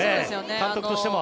監督としても。